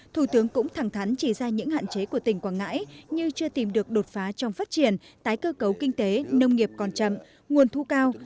thủ tướng cũng thẳng thắn chỉ ra những hạn chế của tỉnh quảng ngãi như chưa tìm được đột phá trong phát triển tái cơ cấu kinh tế nông nghiệp còn chậm nguồn thu cao